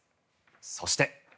そして。